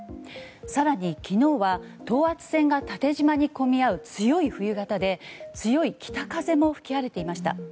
更に昨日は等圧線が縦じまに込み合う強い冬型で強い北風も吹き荒れていました。